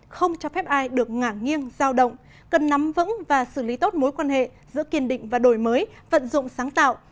không cho phép ai được ngả nghiêng giao động cần nắm vững và xử lý tốt mối quan hệ giữa kiên định và đổi mới vận dụng sáng tạo